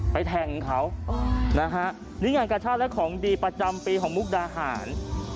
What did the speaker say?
ไปแทงเขาโอ้ยนะฮะนี่อย่างกับชาติและของดีประจำปีของมุกดาหาร